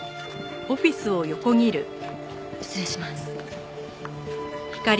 失礼します。